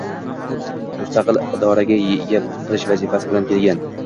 mustaqil irodaga ega qilish vazifasi bilan kelgan.